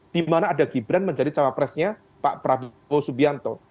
dimana ada gibran menjadi cawapresnya pak prabowo subianto